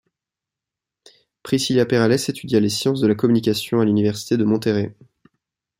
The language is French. Priscila Perales étudia les sciences de la communication à l'université de Monterrey.